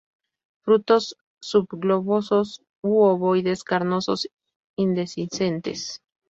Frutos subglobosos u ovoides, carnosos, indehiscentes.